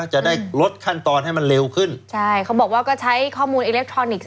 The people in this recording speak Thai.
จะได้ลดขั้นตอนให้มันเร็วขึ้นใช่เขาบอกว่าก็ใช้ข้อมูลอิเล็กทรอนิกส์